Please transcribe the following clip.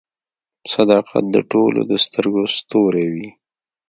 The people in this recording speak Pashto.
• صداقت د ټولو د سترګو ستوری وي.